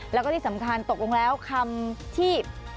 แล้วก็ที่สำคัญตกลงแล้วคำที่